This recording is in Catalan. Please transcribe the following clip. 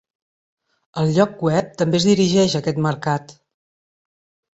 El lloc web també es dirigeix a aquest mercat.